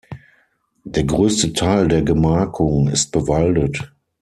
Der größte Teil der Gemarkung ist bewaldet.